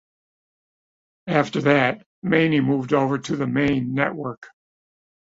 After that, Mayne moved over to the main network.